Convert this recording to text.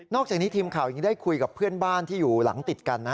อกจากนี้ทีมข่าวยังได้คุยกับเพื่อนบ้านที่อยู่หลังติดกัน